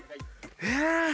え